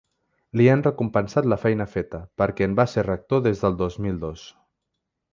Li han recompensat la feina feta, perquè en va ser rector des del dos mil dos.